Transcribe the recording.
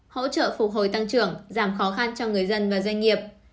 hỗ trợ phục hồi tăng trưởng giảm khó khăn cho người dân và doanh nghiệp